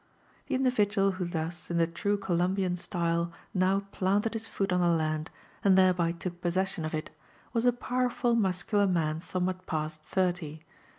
Tbe individual who thus, iii the true Columbian style, pow planlecl & his foot on the land, and thereby took possession pf it, was a powerful/^ muscular man aonnewhat past thirty.